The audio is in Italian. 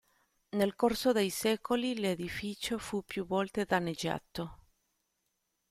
Nel corso dei secoli l'edificio fu più volte danneggiato.